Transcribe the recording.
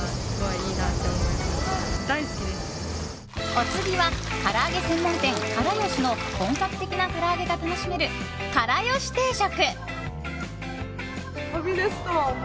お次は唐揚げ専門店から好しの本格的なから揚げが楽しめるから好し定食。